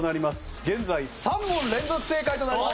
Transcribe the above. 現在３問連続正解となりました。